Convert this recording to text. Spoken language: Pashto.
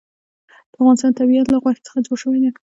د افغانستان طبیعت له غوښې څخه جوړ شوی دی.